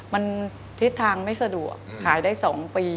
มันทิศทางไม่สะดวกขายได้๒ปี